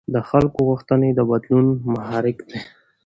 د خلکو غوښتنې د بدلون محرک دي